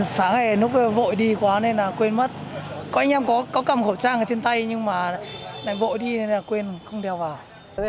sáng ngày lúc vội đi quá nên là quên mất có anh em có cầm khẩu trang ở trên tay nhưng mà lại vội đi nên là quên không đeo vào